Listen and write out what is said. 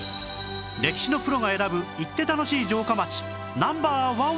歴史のプロが選ぶ行って楽しい城下町ナンバー１は？